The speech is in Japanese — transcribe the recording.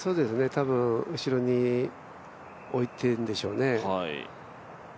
後ろに置いているんでしょうね。